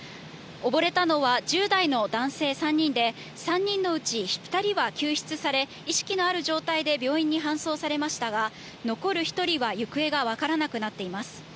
溺れたのは１０代の男性３人で、３人のうち２人は救出され、意識のある状態で病院に搬送されましたが、残る１人は行方が分からなくなっています。